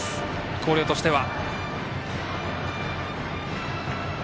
広陵としては。